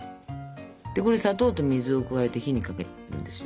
でこれ砂糖と水を加えて火にかけるんですよ。